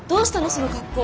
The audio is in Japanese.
その格好。